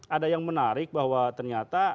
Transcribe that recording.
ada yang menarik bahwa ternyata